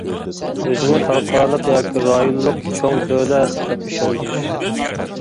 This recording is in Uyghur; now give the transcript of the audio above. ئۆزىنى خەلقئارالىق ياكى رايونلۇق چوڭ دۆلەت دەپ ئىشەندۈرۈش.